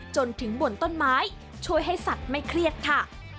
จนถึงบนต้นไม้ช่วยให้สัตว์ไม่เครียดค่ะ